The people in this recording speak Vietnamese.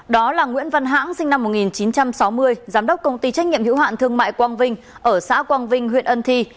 đó là nguyễn văn hãng sinh năm một nghìn chín trăm sáu mươi giám đốc công ty trách nhiệm hữu hạn thương mại quang vinh ở xã quang vinh huyện ân thi